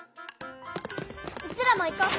うちらも行こう！